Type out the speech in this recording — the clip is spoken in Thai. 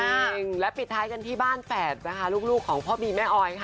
จริงและปิดท้ายกันที่บ้านแฝดนะคะลูกของพ่อบีแม่ออยค่ะ